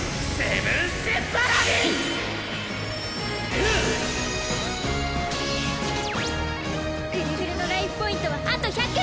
グルグルのライフポイントはあと１００！